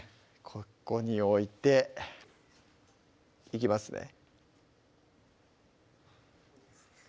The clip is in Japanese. ここに置いていきますね